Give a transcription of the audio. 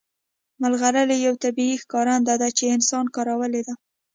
ملغلرې یو طبیعي ښکارنده ده چې انسان کارولې ده